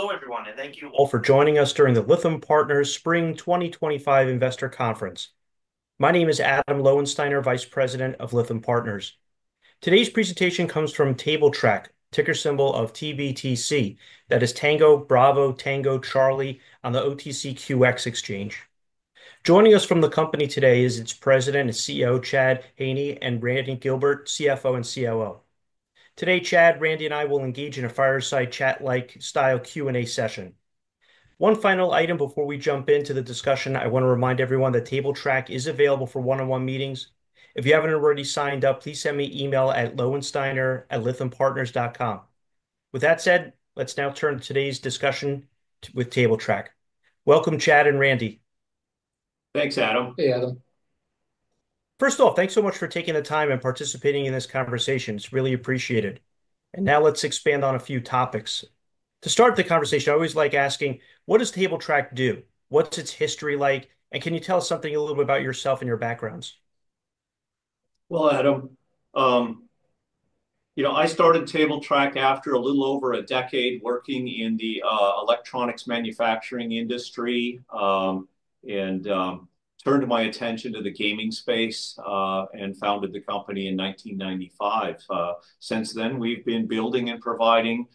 Hello, everyone, and thank you all for joining us during the Lithium Partners Spring 2025 Investor Conference. My name is Adam Lowensteiner, Vice President of Lithium Partners. Today's presentation comes from Table Trac, ticker symbol of TBTC, that is Tango, Bravo, Tango, Charlie on the OTCQX exchange. Joining us from the company today is its President and CEO, Chad Hoehne, and Randy Gilbert, CFO and COO. Today, Chad, Randy, and I will engage in a fireside chat-like style Q&A session. One final item before we jump into the discussion, I want to remind everyone that Table Trac is available for one-on-one meetings. If you have not already signed up, please send me an email at loewensteiner@lithiumpartners.com. With that said, let's now turn to today's discussion with Table Trac. Welcome, Chad and Randy. Thanks, Adam. Hey, Adam. First off, thanks so much for taking the time and participating in this conversation. It's really appreciated. Now let's expand on a few topics. To start the conversation, I always like asking, what does Table Trac do? What's its history like? Can you tell us something a little bit about yourself and your backgrounds? Adam, you know, I started Table Trac after a little over a decade working in the electronics manufacturing industry and turned my attention to the gaming space and founded the company in 1995. Since then, we've been building and providing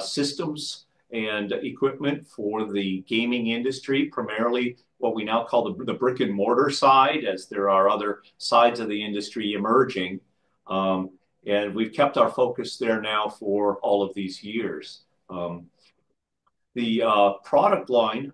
systems and equipment for the gaming industry, primarily what we now call the brick-and-mortar side, as there are other sides of the industry emerging. We've kept our focus there now for all of these years. The product line,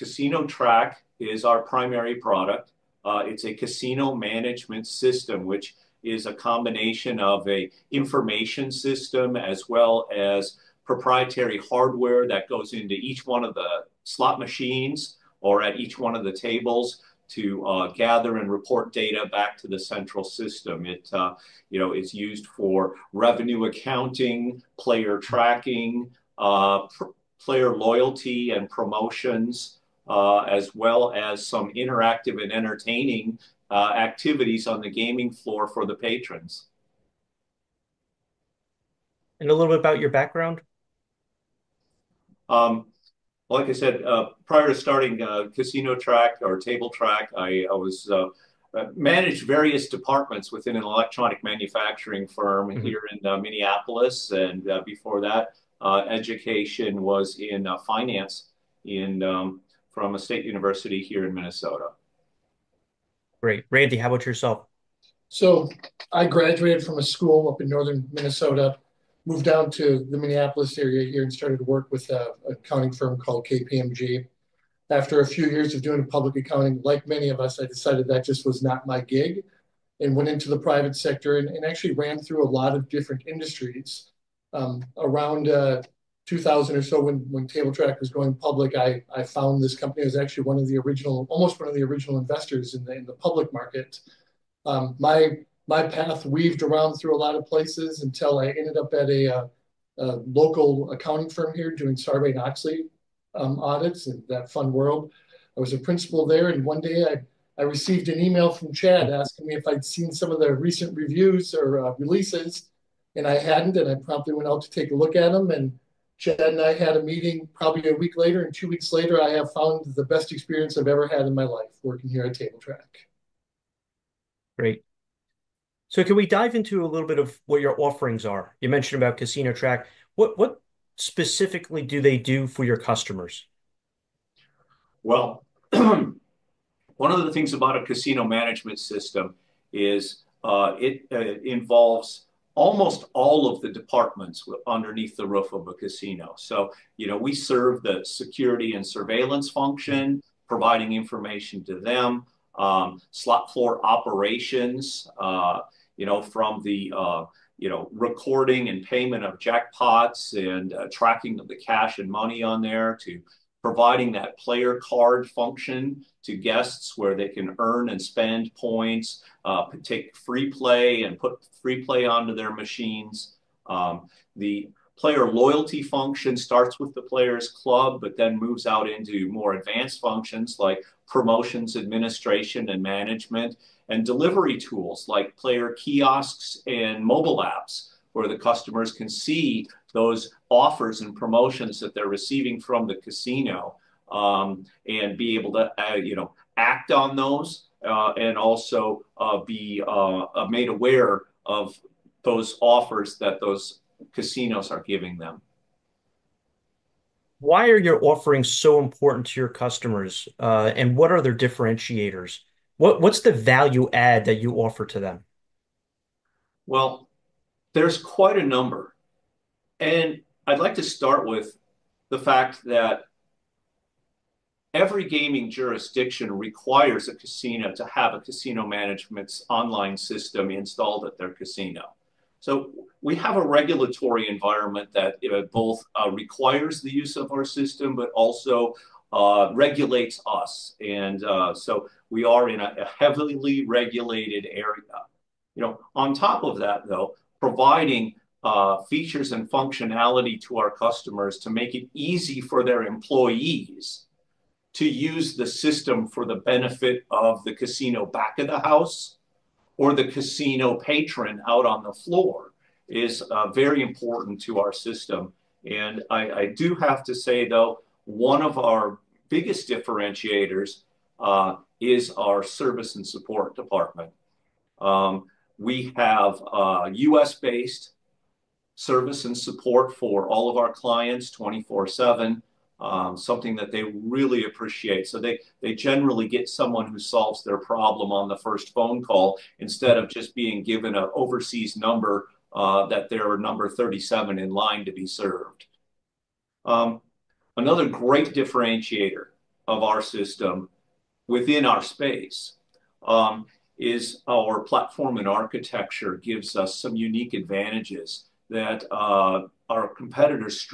CasinoTrac, is our primary product. It's a casino management system, which is a combination of an information system as well as proprietary hardware that goes into each one of the slot machines or at each one of the tables to gather and report data back to the central system. It's used for revenue accounting, player tracking, player loyalty, and promotions, as well as some interactive and entertaining activities on the gaming floor for the patrons. A little bit about your background? Like I said, prior to starting CasinoTrac or Table Trac, I managed various departments within an electronic manufacturing firm here in Minneapolis. Before that, education was in finance from a state university here in Minnesota. Great. Randy, how about yourself? I graduated from a school up in northern Minnesota, moved down to the Minneapolis area here and started to work with an accounting firm called KPMG. After a few years of doing public accounting, like many of us, I decided that just was not my gig and went into the private sector and actually ran through a lot of different industries. Around 2000 or so, when Table Trac was going public, I found this company. I was actually one of the original, almost one of the original investors in the public market. My path weaved around through a lot of places until I ended up at a local accounting firm here doing Sarbanes-Oxley audits in that fun world. I was a principal there. One day, I received an email from Chad asking me if I'd seen some of the recent reviews or releases. I hadn't. I promptly went out to take a look at them. Chad and I had a meeting probably a week later. Two weeks later, I have found the best experience I've ever had in my life working here at Table Trac. Great. Can we dive into a little bit of what your offerings are? You mentioned about CasinoTrac. What specifically do they do for your customers? One of the things about a casino management system is it involves almost all of the departments underneath the roof of a casino. We serve the security and surveillance function, providing information to them, slot floor operations from the recording and payment of jackpots and tracking of the cash and money on there to providing that player card function to guests where they can earn and spend points, take free play, and put free play onto their machines. The player loyalty function starts with the player's club, but then moves out into more advanced functions like promotions, administration, and management, and delivery tools like player kiosks and mobile apps where the customers can see those offers and promotions that they're receiving from the casino and be able to act on those and also be made aware of those offers that those casinos are giving them. Why are your offerings so important to your customers? What are their differentiators? What's the value add that you offer to them? There is quite a number. I'd like to start with the fact that every gaming jurisdiction requires a casino to have a casino management online system installed at their casino. We have a regulatory environment that both requires the use of our system, but also regulates us. We are in a heavily regulated area. On top of that, though, providing features and functionality to our customers to make it easy for their employees to use the system for the benefit of the casino back at the house or the casino patron out on the floor is very important to our system. I do have to say, though, one of our biggest differentiators is our service and support department. We have U.S.-based service and support for all of our clients 24/7, something that they really appreciate. They generally get someone who solves their problem on the first phone call instead of just being given an overseas number that they're number 37 in line to be served. Another great differentiator of our system within our space is our platform and architecture gives us some unique advantages that our competitors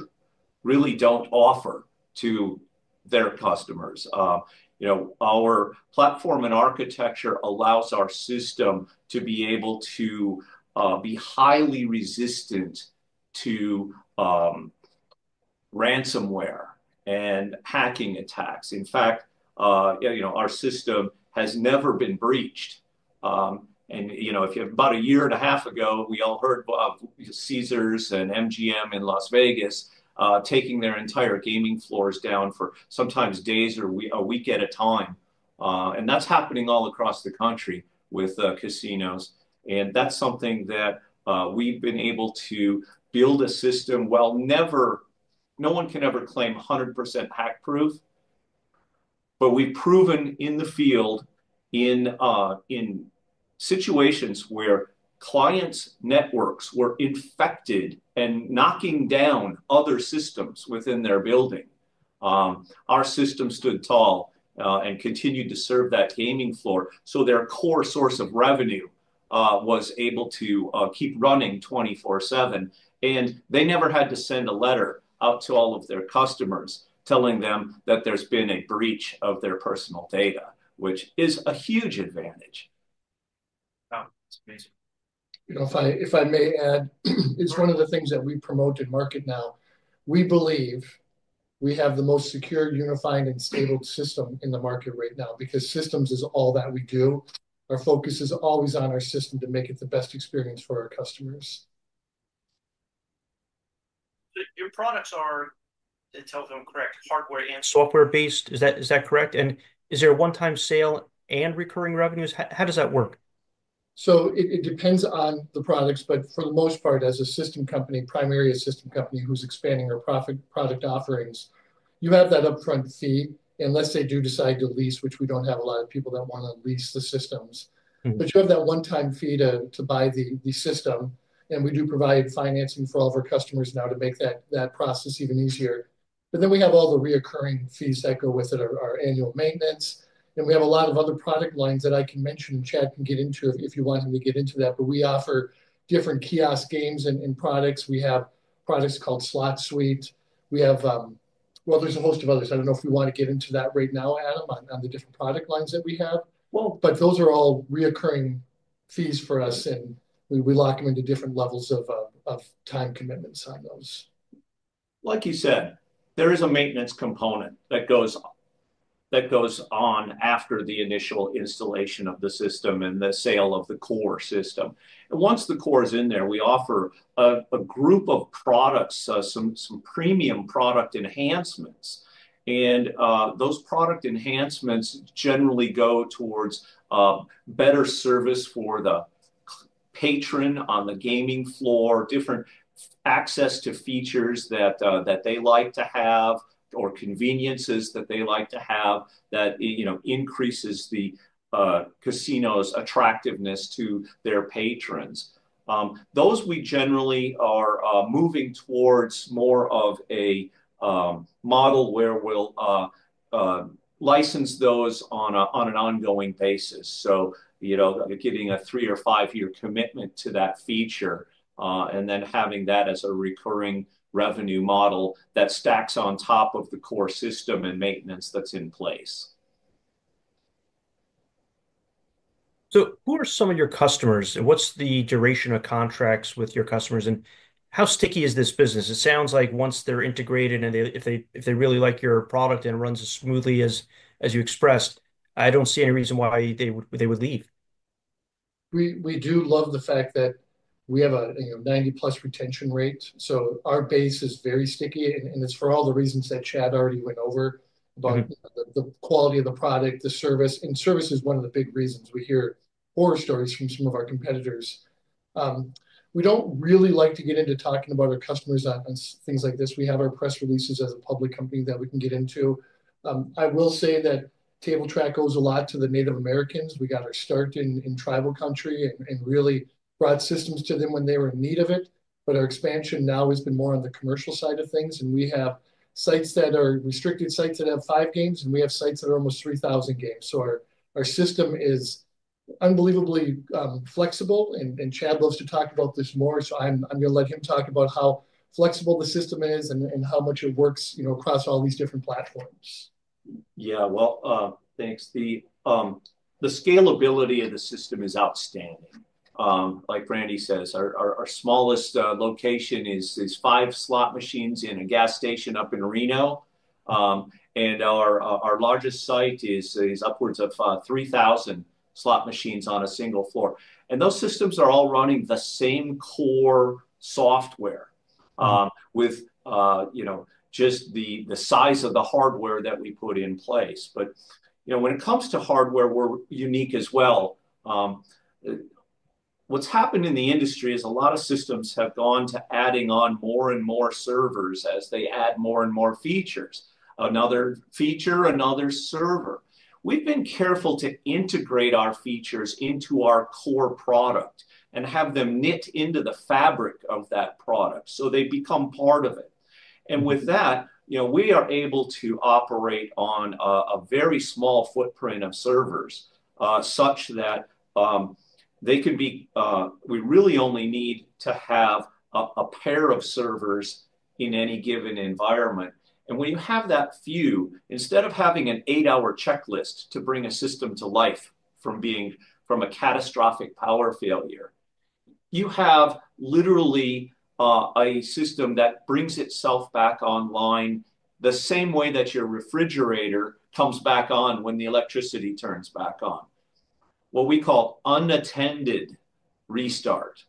really don't offer to their customers. Our platform and architecture allows our system to be able to be highly resistant to ransomware and hacking attacks. In fact, our system has never been breached. If you have about a year and a half ago, we all heard about Caesars and MGM in Las Vegas taking their entire gaming floors down for sometimes days or a week at a time. That's happening all across the country with casinos. That's something that we have been able to build a system for. While no one can ever claim 100% hackproof. We've proven in the field in situations where clients' networks were infected and knocking down other systems within their building. Our system stood tall and continued to serve that gaming floor. Their core source of revenue was able to keep running 24/7. They never had to send a letter out to all of their customers telling them that there's been a breach of their personal data, which is a huge advantage. Wow. That's amazing. If I may add, it's one of the things that we promote in MarketNow. We believe we have the most secure, unified, and stable system in the market right now because systems is all that we do. Our focus is always on our system to make it the best experience for our customers. Your products are, to tell them correct, hardware and software-based. Is that correct? And is there a one-time sale and recurring revenues? How does that work? It depends on the products. For the most part, as a system company, primarily a system company who's expanding our product offerings, you have that upfront fee. Let's say you do decide to lease, which we do not have a lot of people that want to lease the systems. You have that one-time fee to buy the system. We do provide financing for all of our customers now to make that process even easier. We have all the recurring fees that go with it, our annual maintenance. We have a lot of other product lines that I can mention. Chad can get into if you want him to get into that. We offer different kiosk games and products. We have products called Slot Suite. There is a host of others. I don't know if we want to get into that right now, Adam, on the different product lines that we have. Those are all reoccurring fees for us. We lock them into different levels of time commitments on those. Like you said, there is a maintenance component that goes on after the initial installation of the system and the sale of the core system. Once the core is in there, we offer a group of products, some premium product enhancements. Those product enhancements generally go towards better service for the patron on the gaming floor, different access to features that they like to have or conveniences that they like to have that increases the casino's attractiveness to their patrons. We generally are moving towards more of a model where we'll license those on an ongoing basis. Getting a three or five-year commitment to that feature and then having that as a recurring revenue model that stacks on top of the core system and maintenance that's in place. Who are some of your customers? What's the duration of contracts with your customers? How sticky is this business? It sounds like once they're integrated and if they really like your product and it runs as smoothly as you expressed, I don't see any reason why they would leave. We do love the fact that we have a 90% plus retention rate. Our base is very sticky. It's for all the reasons that Chad already went over about the quality of the product, the service. Service is one of the big reasons we hear horror stories from some of our competitors. We don't really like to get into talking about our customers on things like this. We have our press releases as a public company that we can get into. I will say that Table Trac goes a lot to the Native Americans. We got our start in tribal country and really brought systems to them when they were in need of it. Our expansion now has been more on the commercial side of things. We have sites that are restricted, sites that have five games. We have sites that are almost 3,000 games. Our system is unbelievably flexible. Chad loves to talk about this more. I'm going to let him talk about how flexible the system is and how much it works across all these different platforms. Yeah. Thanks, Steve. The scalability of the system is outstanding. Like Randy says, our smallest location is five slot machines in a gas station up in Reno. Our largest site is upwards of 3,000 slot machines on a single floor. Those systems are all running the same core software with just the size of the hardware that we put in place. When it comes to hardware, we're unique as well. What's happened in the industry is a lot of systems have gone to adding on more and more servers as they add more and more features. Another feature, another server. We've been careful to integrate our features into our core product and have them knit into the fabric of that product so they become part of it. With that, we are able to operate on a very small footprint of servers such that we really only need to have a pair of servers in any given environment. When you have that few, instead of having an eight-hour checklist to bring a system to life from a catastrophic power failure, you have literally a system that brings itself back online the same way that your refrigerator comes back on when the electricity turns back on, what we call unattended restart.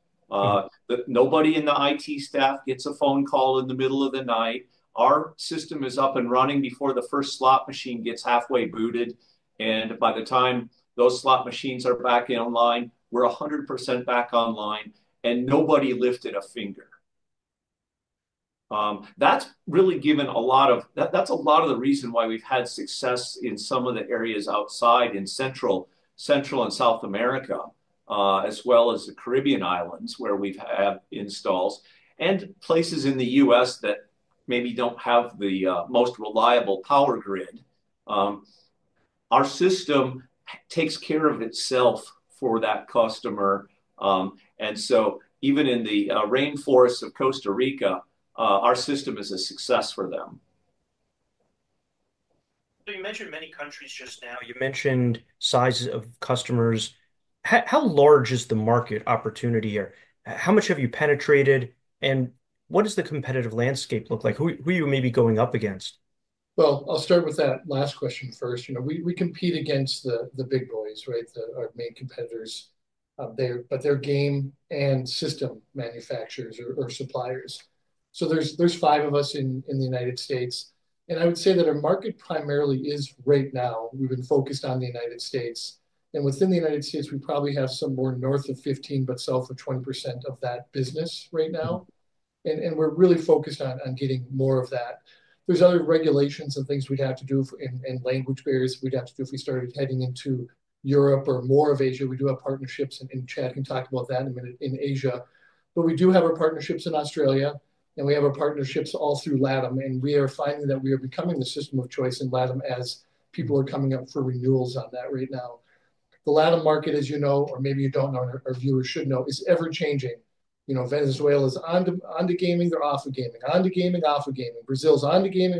Nobody in the IT staff gets a phone call in the middle of the night. Our system is up and running before the first slot machine gets halfway booted. By the time those slot machines are back online, we are 100% back online. Nobody lifted a finger. That's really given a lot of, that's a lot of the reason why we've had success in some of the areas outside in Central and South America, as well as the Caribbean Islands, where we have installs and places in the U.S. that maybe don't have the most reliable power grid. Our system takes care of itself for that customer. Even in the rainforests of Costa Rica, our system is a success for them. You mentioned many countries just now. You mentioned sizes of customers. How large is the market opportunity here? How much have you penetrated? What does the competitive landscape look like? Who are you maybe going up against? I'll start with that last question first. We compete against the big boys, right, our main competitors, but they're game and system manufacturers or suppliers. There are five of us in the United States. I would say that our market primarily is right now, we've been focused on the United States. Within the United States, we probably have somewhere north of 15% but south of 20% of that business right now. We're really focused on getting more of that. There are other regulations and things we'd have to do and language barriers we'd have to deal with if we started heading into Europe or more of Asia. We do have partnerships, and Chad can talk about that in Asia. We do have our partnerships in Australia, and we have our partnerships all through LATAM. We are finding that we are becoming the system of choice in LATAM as people are coming up for renewals on that right now. The LATAM market, as you know, or maybe you don't know, our viewers should know, is ever-changing. Venezuela is onto gaming. They are off of gaming. Onto gaming, off of gaming. Brazil is onto gaming.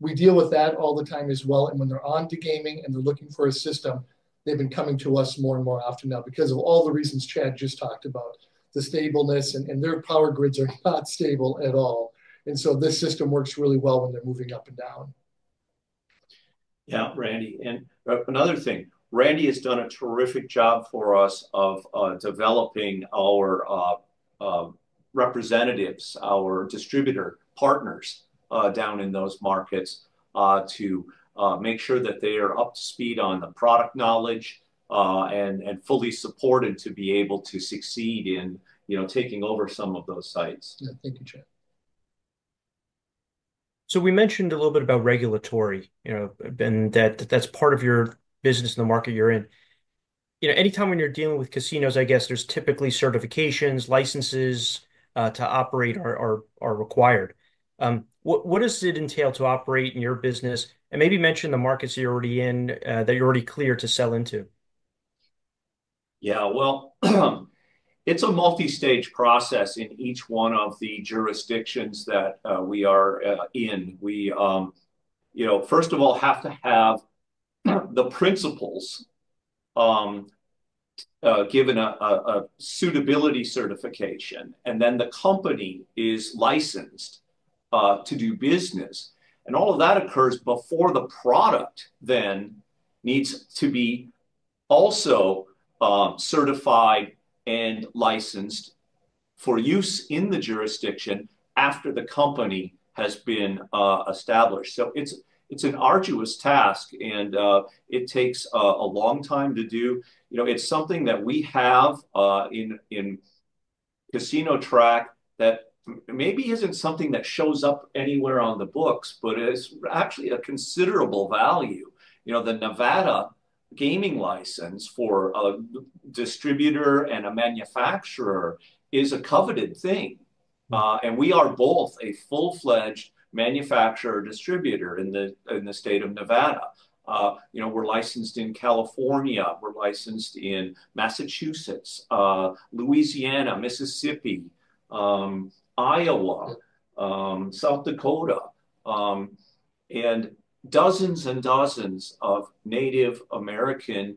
We deal with that all the time as well. When they are onto gaming and they are looking for a system, they have been coming to us more and more often now because of all the reasons Chad just talked about, the stableness. Their power grids are not stable at all. This system works really well when they are moving up and down. Yeah, Randy. Another thing, Randy has done a terrific job for us of developing our representatives, our distributor partners down in those markets to make sure that they are up to speed on the product knowledge and fully supported to be able to succeed in taking over some of those sites. Yeah. Thank you, Chad. We mentioned a little bit about regulatory and that that's part of your business in the market you're in. Anytime when you're dealing with casinos, I guess there's typically certifications, licenses to operate are required. What does it entail to operate in your business? And maybe mention the markets you're already in that you're already clear to sell into. Yeah. It's a multi-stage process in each one of the jurisdictions that we are in. We, first of all, have to have the principals given a suitability certification. The company is licensed to do business. All of that occurs before the product then needs to be also certified and licensed for use in the jurisdiction after the company has been established. It's an arduous task. It takes a long time to do. It's something that we have in CasinoTrac that maybe isn't something that shows up anywhere on the books, but it's actually a considerable value. The Nevada gaming license for a distributor and a manufacturer is a coveted thing. We are both a full-fledged manufacturer distributor in the state of Nevada. We're licensed in California. We're licensed in Massachusetts, Louisiana, Mississippi, Iowa, South Dakota, and dozens and dozens of Native American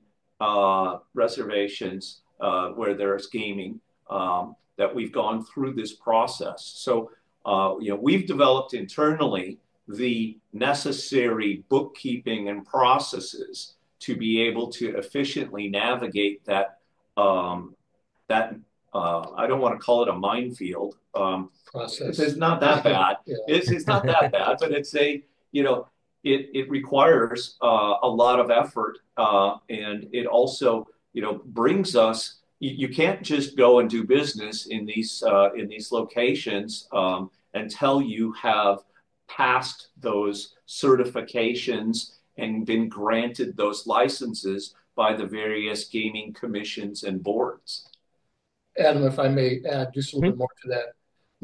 reservations where there's gaming that we've gone through this process. So we've developed internally the necessary bookkeeping and processes to be able to efficiently navigate that I don't want to call it a minefield. Process. It's not that bad. It's not that bad. It requires a lot of effort. It also brings us, you can't just go and do business in these locations until you have passed those certifications and been granted those licenses by the various gaming commissions and boards. Adam, if I may add just a little bit more to that,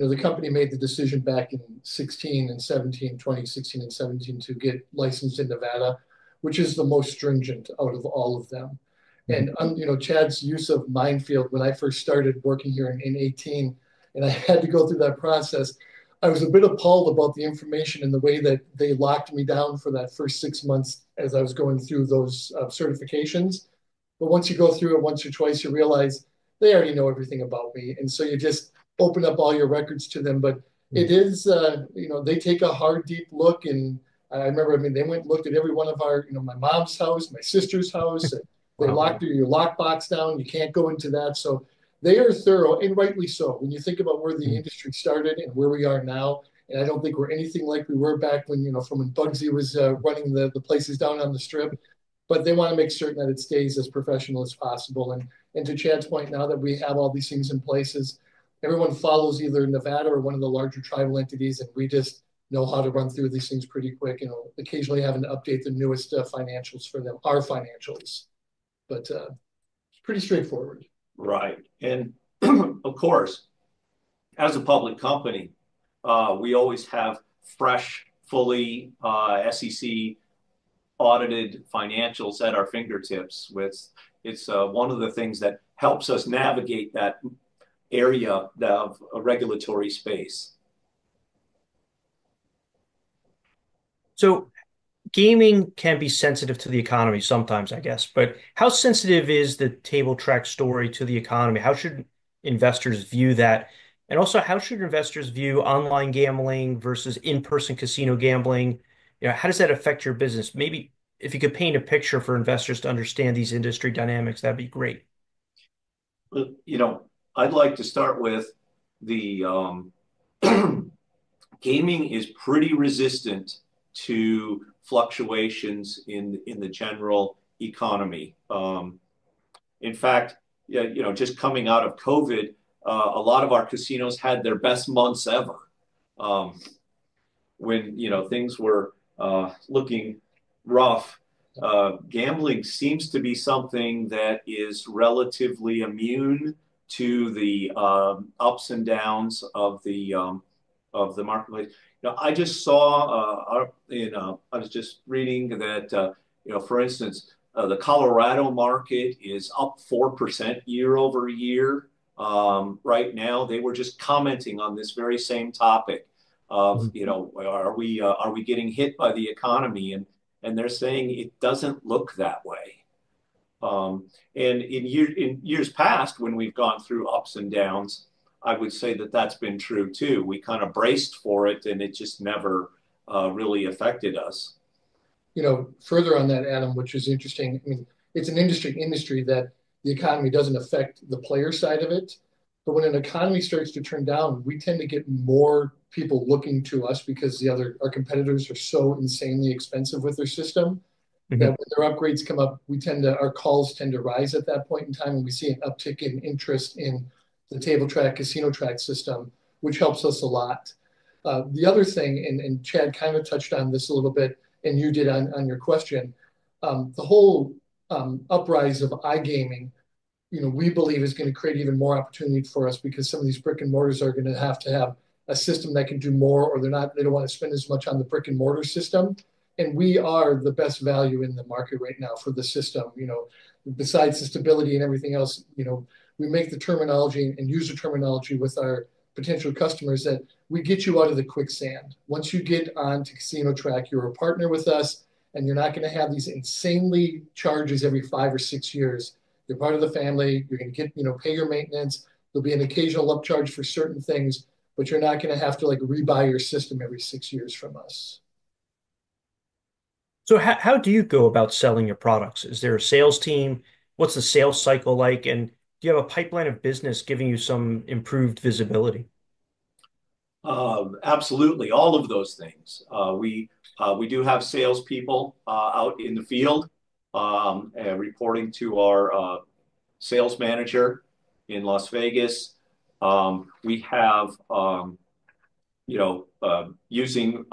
the company made the decision back in 2016 and 2017, to get licensed in Nevada, which is the most stringent out of all of them. And Chad's use of minefield, when I first started working here in 2018, and I had to go through that process, I was a bit appalled about the information and the way that they locked me down for that first six months as I was going through those certifications. But once you go through it once or twice, you realize they already know everything about me. And so you just open up all your records to them. But they take a hard, deep look. And I remember, I mean, they went and looked at every one of our, my mom's house, my sister's house. They locked your lockbox down. You can't go into that. They are thorough, and rightly so. When you think about where the industry started and where we are now, I don't think we're anything like we were back when Bugsy was running the places down on the Strip. They want to make certain that it stays as professional as possible. To Chad's point, now that we have all these things in place, everyone follows either Nevada or one of the larger tribal entities. We just know how to run through these things pretty quick. Occasionally, I have to update the newest financials for them, our financials. It's pretty straightforward. Right. Of course, as a public company, we always have fresh, fully SEC-audited financials at our fingertips. It's one of the things that helps us navigate that area of regulatory space. Gaming can be sensitive to the economy sometimes, I guess. How sensitive is the Table Trac story to the economy? How should investors view that? Also, how should investors view online gambling versus in-person casino gambling? How does that affect your business? Maybe if you could paint a picture for investors to understand these industry dynamics, that'd be great. I would like to start with the gaming is pretty resistant to fluctuations in the general economy. In fact, just coming out of COVID, a lot of our casinos had their best months ever when things were looking rough. Gambling seems to be something that is relatively immune to the ups and downs of the marketplace. I just saw in, I was just reading that, for instance, the Colorado market is up 4% year-over-year right now. They were just commenting on this very same topic of, "Are we getting hit by the economy?" They are saying it doesn't look that way. In years past, when we have gone through ups and downs, I would say that has been true too. We kind of braced for it. It just never really affected us. Further on that, Adam, which is interesting, I mean, it's an industry that the economy doesn't affect the player side of it. When an economy starts to turn down, we tend to get more people looking to us because our competitors are so insanely expensive with their system that when their upgrades come up, our calls tend to rise at that point in time. We see an uptick in interest in the Table Trac, CasinoTrac system, which helps us a lot. The other thing, and Chad kind of touched on this a little bit, and you did on your question, the whole uprise of iGaming, we believe, is going to create even more opportunity for us because some of these brick-and-mortars are going to have to have a system that can do more, or they do not want to spend as much on the brick and mortar system. We are the best value in the market right now for the system. Besides the stability and everything else, we make the terminology and use the terminology with our potential customers that we get you out of the quicksand. Once you get onto CasinoTrac, you are a partner with us. You're not going to have these insanely charges every five or six years. You're part of the family. You're going to pay your maintenance. There'll be an occasional upcharge for certain things. You're not going to have to rebuy your system every six years from us. How do you go about selling your products? Is there a sales team? What's the sales cycle like? Do you have a pipeline of business giving you some improved visibility? Absolutely. All of those things. We do have salespeople out in the field reporting to our sales manager in Las Vegas. We have using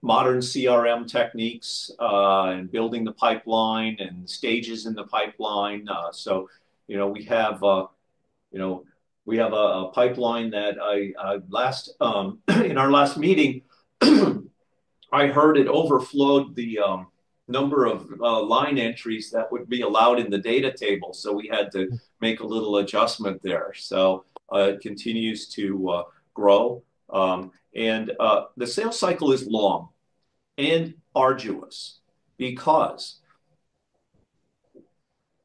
modern CRM techniques and building the pipeline and stages in the pipeline. We have a pipeline that, in our last meeting, I heard it overflowed the number of line entries that would be allowed in the data table. We had to make a little adjustment there. It continues to grow. The sales cycle is long and arduous because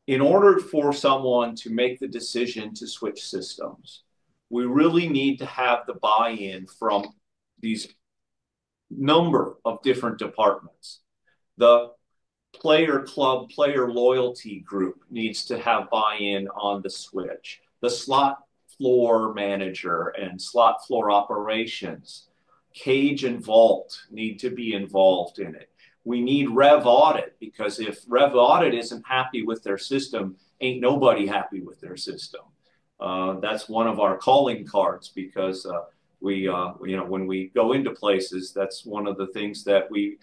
in order for someone to make the decision to switch systems, we really need to have the buy-in from these number of different departments. The player club, player loyalty group needs to have buy-in on the switch. The slot floor manager and slot floor operations, cage, and vault need to be involved in it. We need rev audit because if rev audit isn't happy with their system, ain't nobody happy with their system. That's one of our calling cards because when we go into places, that's one of the things that we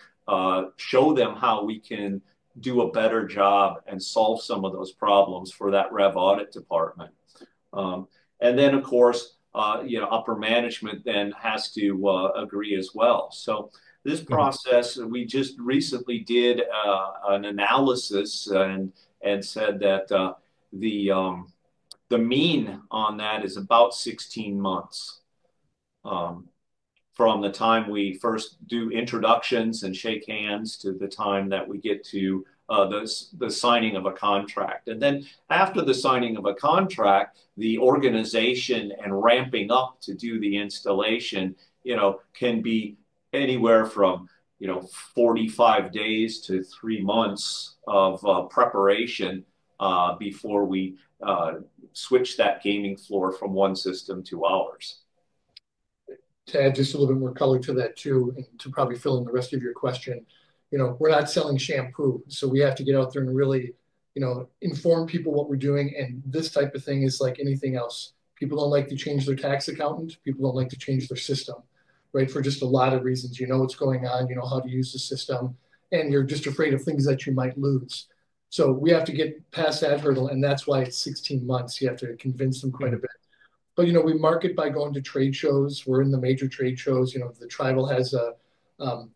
show them how we can do a better job and solve some of those problems for that rev audit department. Of course, upper management then has to agree as well. This process, we just recently did an analysis and said that the mean on that is about 16 months from the time we first do introductions and shake hands to the time that we get to the signing of a contract. After the signing of a contract, the organization and ramping up to do the installation can be anywhere from 45 days to three months of preparation before we switch that gaming floor from one system to ours. To add just a little bit more color to that too and to probably fill in the rest of your question, we're not selling shampoo. We have to get out there and really inform people what we're doing. This type of thing is like anything else. People don't like to change their tax accountant. People don't like to change their system, right, for just a lot of reasons. You know what's going on. You know how to use the system. You're just afraid of things that you might lose. We have to get past that hurdle. That's why it's 16 months. You have to convince them quite a bit. We market by going to trade shows. We're in the major trade shows. The tribal has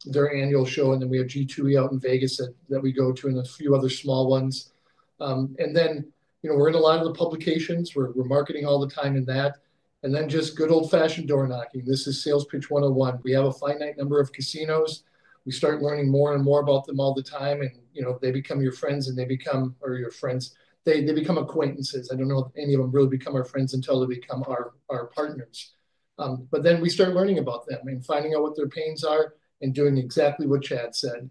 their annual show. We have G2E out in Vegas that we go to and a few other small ones. We are in a lot of the publications. We're marketing all the time in that. Just good old-fashioned door knocking. This is sales pitch 101. We have a finite number of casinos. We start learning more and more about them all the time. They become your friends, and they become or your friends. They become acquaintances. I do not know if any of them really become our friends until they become our partners. We start learning about them and finding out what their pains are and doing exactly what Chad said,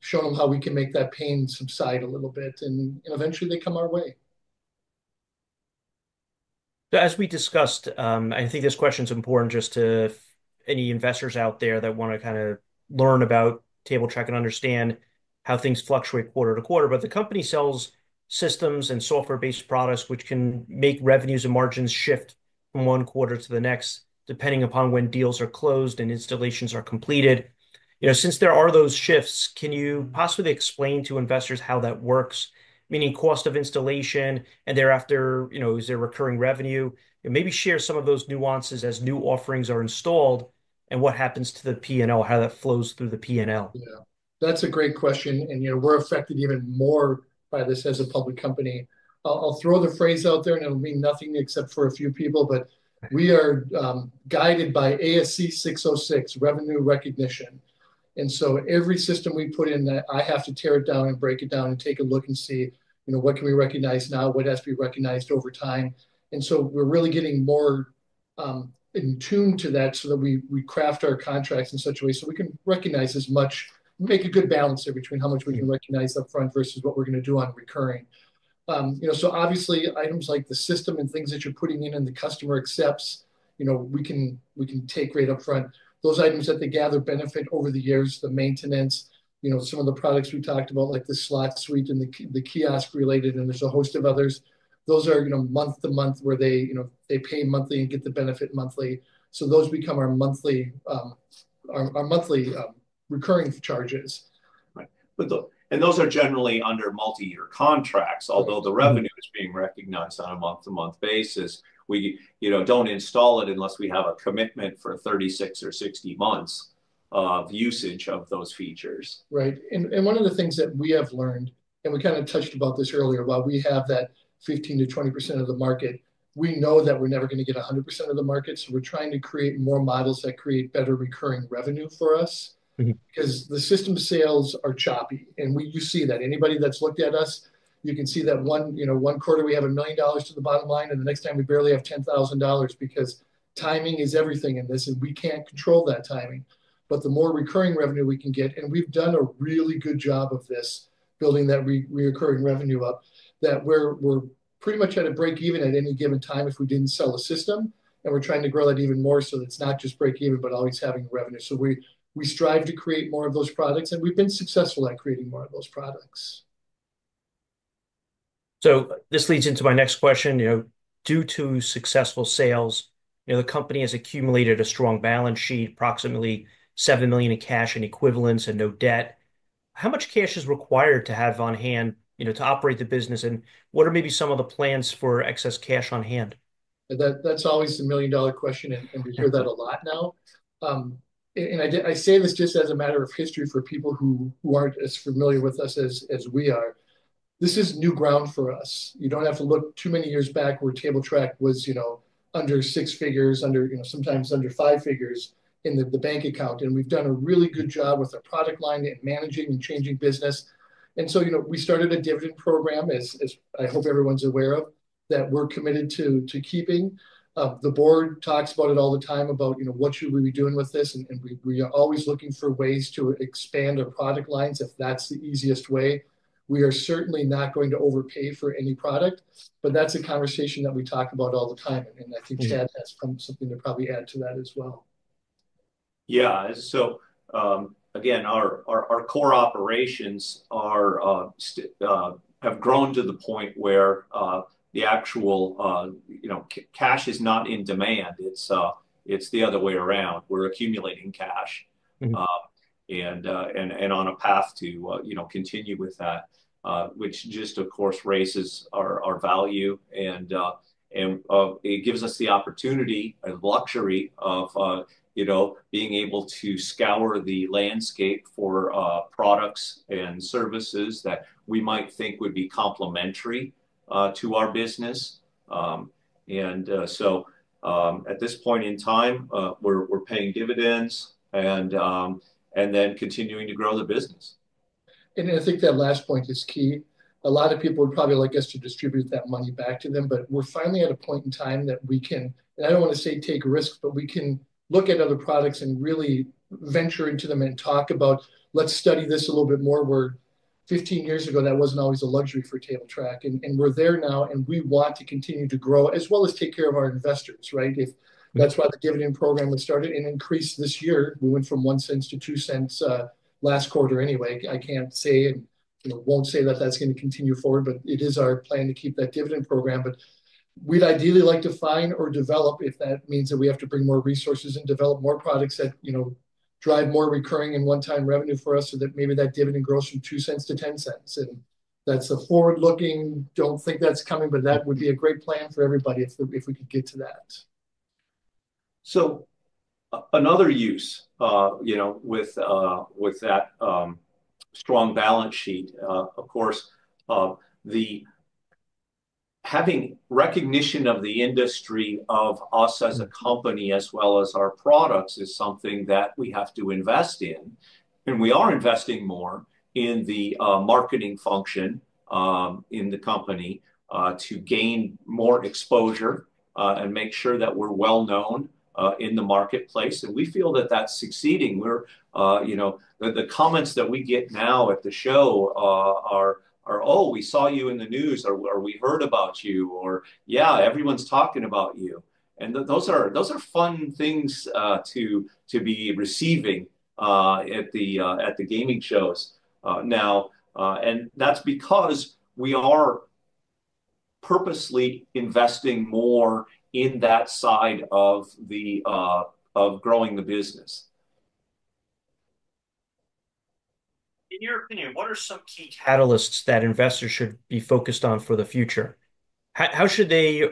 showing them how we can make that pain subside a little bit. Eventually, they come our way. As we discussed, I think this question's important just to any investors out there that want to kind of learn about Table Trac and understand how things fluctuate quarter-to-quarter. The company sells systems and software-based products, which can make revenues and margins shift from one quarter to the next, depending upon when deals are closed and installations are completed. Since there are those shifts, can you possibly explain to investors how that works, meaning cost of installation and thereafter, is there recurring revenue? Maybe share some of those nuances as new offerings are installed and what happens to the P&L, how that flows through the P&L. Yeah. That's a great question. We're affected even more by this as a public company. I'll throw the phrase out there, and it'll mean nothing except for a few people. We are guided by ASC 606, revenue recognition. Every system we put in, I have to tear it down and break it down and take a look and see what can we recognize now, what has to be recognized over time. We're really getting more in tune to that so that we craft our contracts in such a way so we can recognize as much, make a good balance there between how much we can recognize upfront versus what we're going to do on recurring. Obviously, items like the system and things that you're putting in and the customer accepts, we can take right upfront. Those items that they gather benefit over the years, the maintenance. Some of the products we talked about, like the Slot Suite and the kiosk-related, and there's a host of others. Those are month-to-month where they pay monthly and get the benefit monthly. Those become our monthly recurring charges. Those are generally under multi-year contracts. Although the revenue is being recognized on a month-to-month basis, we don't install it unless we have a commitment for 36 or 60 months of usage of those features. Right. One of the things that we have learned, and we kind of touched about this earlier, while we have that 15%-20% of the market, we know that we're never going to get 100% of the market. We're trying to create more models that create better recurring revenue for us because the system sales are choppy. You see that. Anybody that's looked at us, you can see that one quarter, we have $1 million to the bottom line. The next time, we barely have $10,000 because timing is everything in this. We can't control that timing. The more recurring revenue we can get, and we've done a really good job of this building that recurring revenue up, we are pretty much at a break-even at any given time if we didn't sell a system. We're trying to grow that even more so that it's not just break-even, but always having revenue. We strive to create more of those products. We've been successful at creating more of those products. This leads into my next question. Due to successful sales, the company has accumulated a strong balance sheet, approximately $7 million in cash and equivalents, and no debt. How much cash is required to have on hand to operate the business? What are maybe some of the plans for excess cash on hand? That's always the million-dollar question. We hear that a lot now. I say this just as a matter of history for people who aren't as familiar with us as we are. This is new ground for us. You don't have to look too many years back where Table Trac was under six figures, sometimes under five figures in the bank account. We have done a really good job with our product line and managing and changing business. We started a dividend program, as I hope everyone is aware of, that we are committed to keeping. The board talks about it all the time about what should we be doing with this. We are always looking for ways to expand our product lines if that is the easiest way. We are certainly not going to overpay for any product. That is a conversation that we talk about all the time. I think Chad has something to probably add to that as well. Yeah. Again, our core operations have grown to the point where the actual cash is not in demand. It is the other way around. We are accumulating cash and on a path to continue with that, which just, of course, raises our value. It gives us the opportunity and luxury of being able to scour the landscape for products and services that we might think would be complementary to our business. At this point in time, we are paying dividends and then continuing to grow the business. I think that last point is key. A lot of people would probably like us to distribute that money back to them. We're finally at a point in time that we can, and I don't want to say take risks, but we can look at other products and really venture into them and talk about, "Let's study this a little bit more." Where 15 years ago, that was not always a luxury for Table Trac. We're there now. We want to continue to grow as well as take care of our investors, right? That's why the dividend program was started and increased this year. We went from $0.01-$0.02 last quarter anyway. I can't say and won't say that that's going to continue forward. It is our plan to keep that dividend program. We'd ideally like to find or develop, if that means that we have to bring more resources and develop more products that drive more recurring and one-time revenue for us so that maybe that dividend grows from $0.02 to $0.10. That is a forward-looking. Do not think that is coming. That would be a great plan for everybody if we could get to that. Another use with that strong balance sheet, of course, having recognition of the industry of us as a company as well as our products is something that we have to invest in. We are investing more in the marketing function in the company to gain more exposure and make sure that we're well-known in the marketplace. We feel that that's succeeding. The comments that we get now at the show are, "Oh, we saw you in the news," or, "We heard about you," or, "Yeah, everyone's talking about you." Those are fun things to be receiving at the gaming shows now. That's because we are purposely investing more in that side of growing the business. In your opinion, what are some key catalysts that investors should be focused on for the future? How should they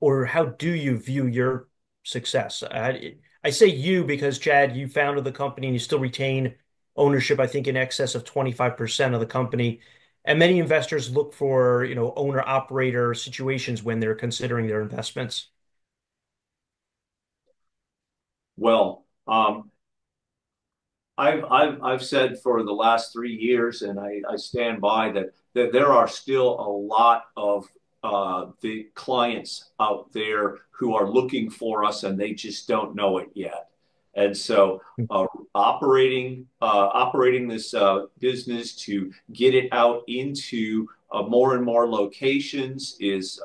or how do you view your success? I say you because, Chad, you founded the company, and you still retain ownership, I think, in excess of 25% of the company. Many investors look for owner-operator situations when they're considering their investments. I have said for the last three years, and I stand by that there are still a lot of the clients out there who are looking for us, and they just do not know it yet. Operating this business to get it out into more and more locations is,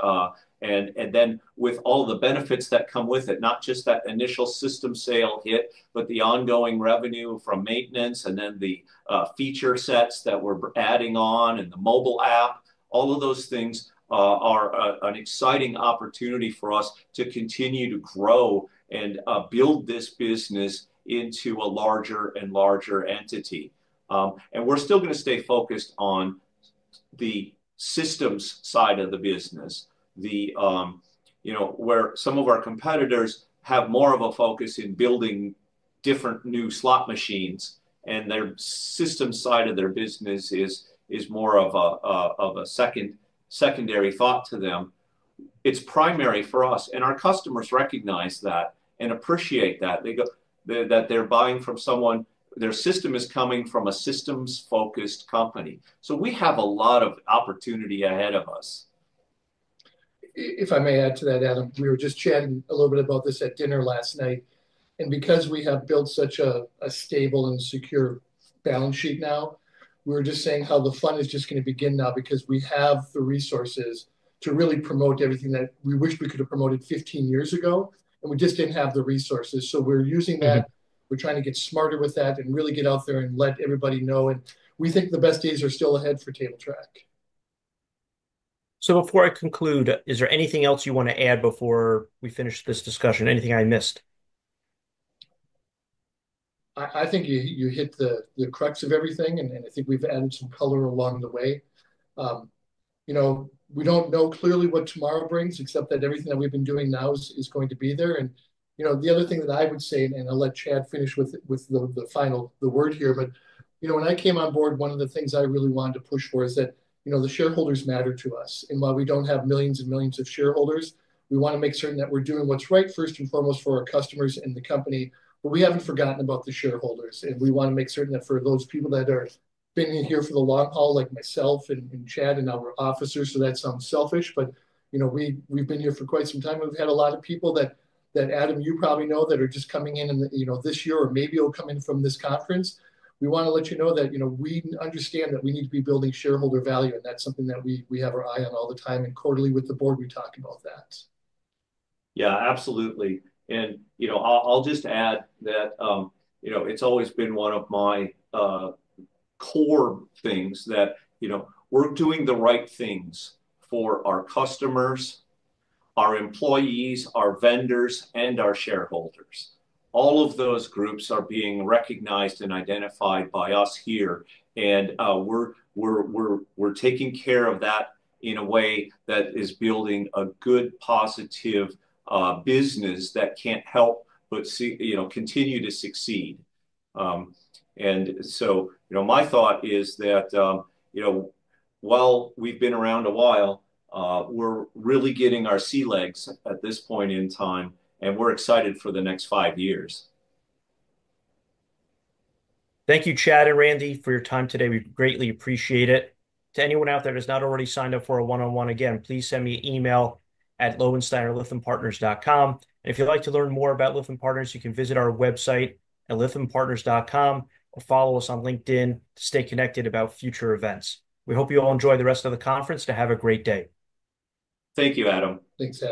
and then with all the benefits that come with it, not just that initial system sale hit, but the ongoing revenue from maintenance and then the feature sets that we are adding on and the mobile app, all of those things are an exciting opportunity for us to continue to grow and build this business into a larger and larger entity. We are still going to stay focused on the systems side of the business, where some of our competitors have more of a focus in building different new slot machines. Their system side of their business is more of a secondary thought to them. It is primary for us. Our customers recognize that and appreciate that, that they are buying from someone. Their system is coming from a systems-focused company. We have a lot of opportunity ahead of us. If I may add to that, Adam, we were just chatting a little bit about this at dinner last night. Because we have built such a stable and secure balance sheet now, we were just saying how the fun is just going to begin now because we have the resources to really promote everything that we wish we could have promoted 15 years ago. We just did not have the resources. We are using that. We are trying to get smarter with that and really get out there and let everybody know. We think the best days are still ahead for Table Trac. Before I conclude, is there anything else you want to add before we finish this discussion? Anything I missed? I think you hit the crux of everything. I think we've added some color along the way. We don't know clearly what tomorrow brings except that everything that we've been doing now is going to be there. The other thing that I would say, and I'll let Chad finish with the final word here, when I came on board, one of the things I really wanted to push for is that the shareholders matter to us. While we don't have millions and millions of shareholders, we want to make certain that we're doing what's right first and foremost for our customers and the company. We haven't forgotten about the shareholders. We want to make certain that for those people that have been here for the long haul, like myself and Chad and our officers, so that sounds selfish. We have been here for quite some time. We have had a lot of people that, Adam, you probably know, that are just coming in this year or maybe will come in from this conference. We want to let you know that we understand that we need to be building shareholder value. That is something that we have our eye on all the time. Quarterly, with the board, we talk about that. Yeah, absolutely. I'll just add that it's always been one of my core things that we're doing the right things for our customers, our employees, our vendors, and our shareholders. All of those groups are being recognized and identified by us here. We're taking care of that in a way that is building a good, positive business that can't help but continue to succeed. My thought is that while we've been around a while, we're really getting our sea legs at this point in time. We're excited for the next five years. Thank you, Chad and Randy, for your time today. We greatly appreciate it. To anyone out there that has not already signed up for a one-on-one, again, please send me an email at loewensteiner@lithiumpartners.com. If you'd like to learn more about Lithium Partners, you can visit our website at lithiumpartners.com or follow us on LinkedIn to stay connected about future events. We hope you all enjoy the rest of the conference. Have a great day. Thank you, Adam. Thanks, Adam.